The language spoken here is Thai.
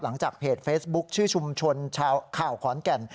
หลังจากเพจเฟซบุ๊คชื่อชุมชนชาวข่าวขอนแก่น